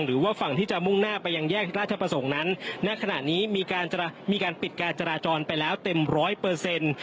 หรือว่าฝั่งที่จะมุ่งหน้าไปยังแยกราชประสงค์นั้นณขณะนี้มีการจะมีการปิดการจราจรไปแล้วเต็มร้อยเปอร์เซ็นต์